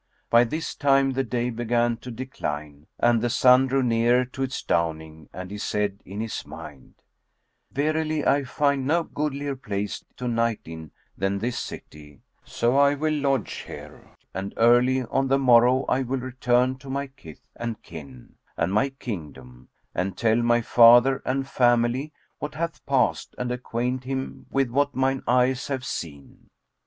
By this time, the day began to decline and the sun drew near to its downing; and he said in his mind, "Verily I find no goodlier place to night in than this city; so I will lodge here and early on the morrow I will return to my kith and kin and my kingdom; and tell my father and family what hath passed and acquaint him with what mine eyes have seen."